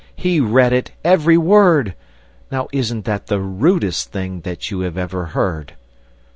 He read it, every word! Now, isn't that the rudest thing That you have ever heard?